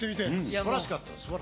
すばらしかったです。